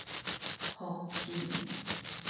復振